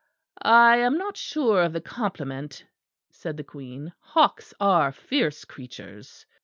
"I am not sure of the compliment," said the Queen; "hawks are fierce creatures."